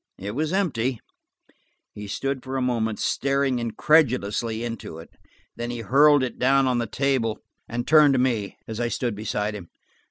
It was empty! He stood for a moment, staring incredulously into it. Then he hurled it down on the table and turned on me, as I stood beside him.